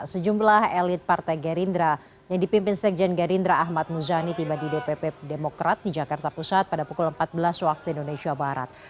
sejumlah elit partai gerindra yang dipimpin sekjen gerindra ahmad muzani tiba di dpp demokrat di jakarta pusat pada pukul empat belas waktu indonesia barat